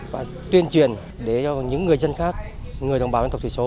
và tuyên truyền để cho những người dân khác người đồng bào dân tộc thủy số